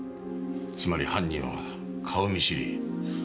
つまり犯人は顔見知り。